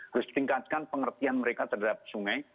harus ditingkatkan pengertian mereka terhadap sungai